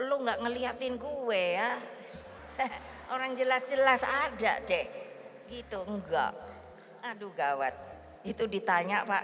lu enggak ngeliatin gue ya orang jelas jelas ada deh gitu enggak aduh gawat itu ditanya pak